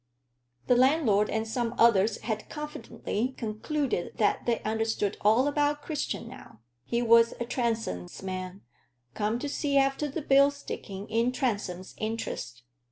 The landlord and some others had confidently concluded that they understood all about Christian now. He was a Transome's man, come to see after the bill sticking in Transome's interest.